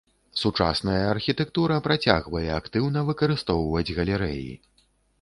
Сучасная архітэктура працягвае актыўна выкарыстоўваць галерэі.